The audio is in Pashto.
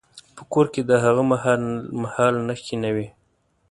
په کور کې د هغه مهال نښې نه وې.